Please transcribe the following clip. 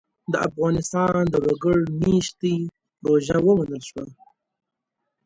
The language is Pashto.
د افغانستان د وګړ مېشتۍ پروژه ومنل شوه.